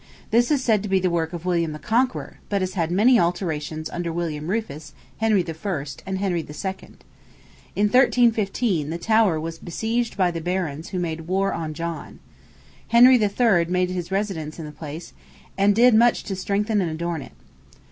This is said to be the work of William the Conqueror, but has had many alterations under William Rufus, Henry I., and Henry II. In 1315, the Tower was besieged by the barons who made war on John. Henry III. made his residence in this place, and did much to strengthen and adorn it.